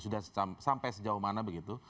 sudah sampai sejauh mana begitu